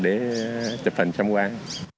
để chụp hình tham quan